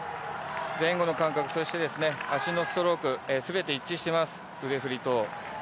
前後の感覚足のストロークすべて一致しています、腕振りと。